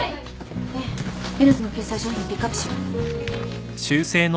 でエルズの掲載商品ピックアップしよう。